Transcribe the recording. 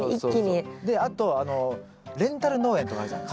あとレンタル農園とかあるじゃない？